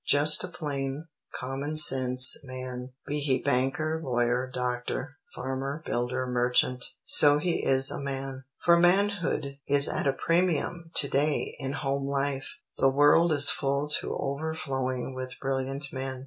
_ Just a plain, common sense man; be he banker, lawyer, doctor, farmer, builder, merchant, so he is a man; for manhood is at a premium to day in home life! The world is full to overflowing with brilliant men.